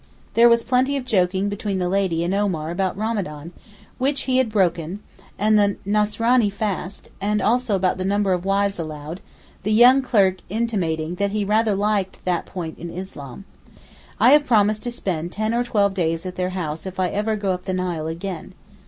There was plenty of joking between the lady and Omar about Ramadan, which he had broken, and the Nasranee fast, and also about the number of wives allowed, the young clerk intimating that he rather liked that point in Islam. I have promised to spend ten or twelve days at their house if ever I go up the Nile again.